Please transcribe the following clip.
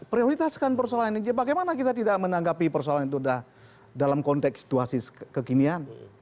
prioritaskan persoalan ini bagaimana kita tidak menanggapi persoalan itu sudah dalam konteks situasi kekinian